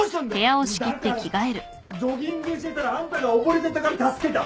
だからジョギングしてたらあんたが溺れてたから助けた！